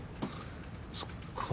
そっか。